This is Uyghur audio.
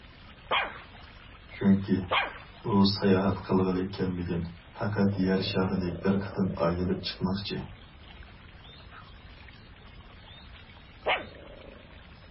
چۈنكى، ئۇ ساياھەت قىلغىلى كەلمىگەن، پەقەت يەر شارىنى بىر قېتىم ئايلىنىپ چىقماقچى.